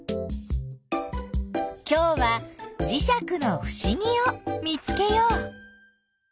きょうはじしゃくのふしぎを見つけよう。